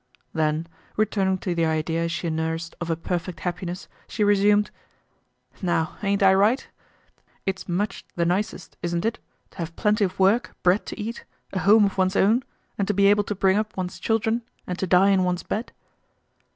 Then, returning to the idea she nursed of a perfect happiness, she resumed: "Now, ain't I right? It's much the nicest isn't it—to have plenty of work, bread to eat, a home of one's own, and to be able to bring up one's children and to die in one's bed?"